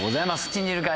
信じるか？